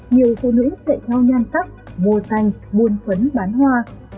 nhiều phụ nữ chạy theo nhan sắc mua xanh buôn phấn bán hoa